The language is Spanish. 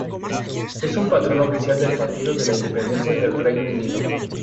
Es un patrón oficial del Partido de la Independencia del Reino Unido.